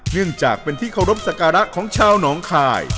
เนื่องจากเป็นที่เคารพสักการะของชาวหนองคาย